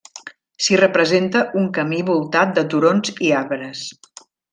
S'hi representa un camí voltat de turons i arbres.